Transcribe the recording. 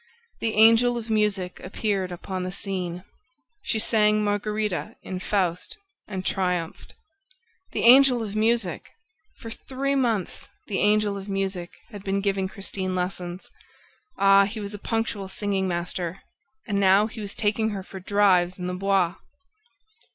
The Angel of Music appeared upon the scene! She sang Margarita in FAUST and triumphed! ... The Angel of Music! ... For three months the Angel of Music had been giving Christine lessons ... Ah, he was a punctual singing master! ... And now he was taking her for drives in the Bois!